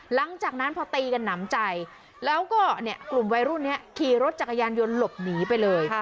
หลังจากนั้นพอตีกันหนำใจแล้วก็กลุ่มวัยรุ่นนี้ขี่รถจักรยานยนต์หลบหนีไปเลย